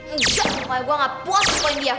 udah pokoknya gue gak puas ngepoin dia